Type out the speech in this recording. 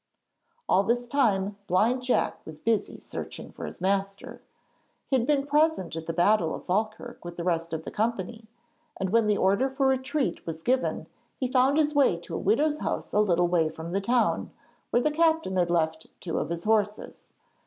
All this time Blind Jack was busy searching for his master. He had been present at the battle of Falkirk with the rest of the company, and when the order for retreat was given he found his way to a widow's house a little way from the town, where the captain had left two of his horses.